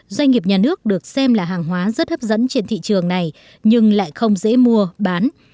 doanh nghiệp nhà nước được xem là hàng hóa rất hấp dẫn trên thị trường này nhưng lại không dễ mua bán